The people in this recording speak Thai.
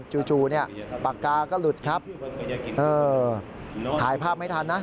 จู่เนี่ยปากกาก็หลุดครับเออถ่ายภาพไม่ทันนะ